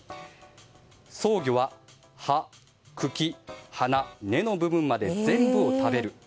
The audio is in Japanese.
ソウギョは葉、茎、花、根の部分まで全部を食べる。